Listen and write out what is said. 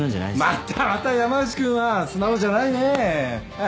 またまた山内君は素直じゃないねえ。